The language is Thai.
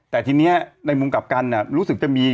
แต่ทีนี้ในมุมกลับกันรู้สึกจะมี